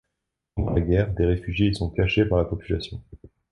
Pendant la guerre, des réfugiés y sont cachés par la population.